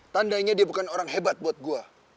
tandanya dia bukan orang hebat buat gue